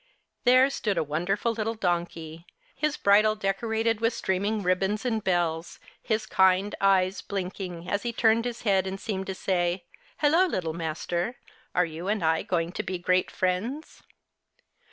There stood a wonderful little donkey, his bridle decorated with streaming ribbons and bells, his kind eyes blinking as he turned his head and seemed to say, " Hello, Little Master, are you and I going to be great friends